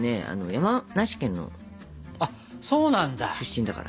山梨県の出身だからね。